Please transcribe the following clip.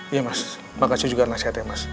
iya mas makasih juga nasihatnya mas